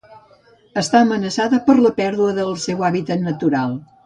Està amenaçada per la pèrdua del seu hàbitat natural.